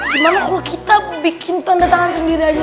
gimana kalau kita bikin tanda tangan sendiri aja sun